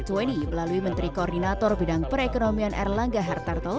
melalui menteri koordinator bidang perekonomian erlangga hartarto